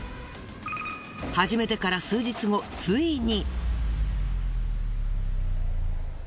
始めてから数日後ついに。